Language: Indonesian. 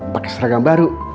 pakai seragam baru